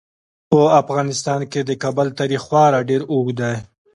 په افغانستان کې د کابل تاریخ خورا ډیر اوږد دی.